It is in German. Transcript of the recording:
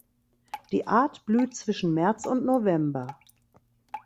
Die Art blüht zwischen März und November.